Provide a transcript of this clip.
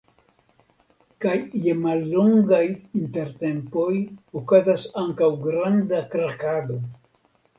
Kaj je mallongaj intertempoj okazas ankaŭ granda krakado.